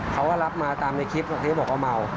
เขาก็รับมาตามในคลิปที่เขาบอกว่าเมา